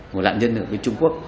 của nạn nhân ở với trung quốc